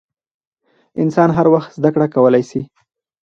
انسان هر وخت زدکړه کولای سي .